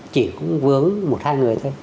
chỉ cũng vướng một hai người thôi